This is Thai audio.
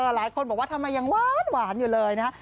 หลายคนบอกว่าทำไมยังหวานอยู่เลยนะฮะ